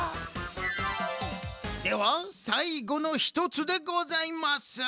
ではさいごの１つでございます。